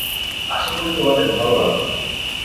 আশা করি তোমাদের ভাল লাগবে।